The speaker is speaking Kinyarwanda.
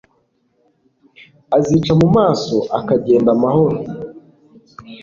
azica mu maso akagenda amahoro.